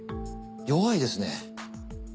弱いですね。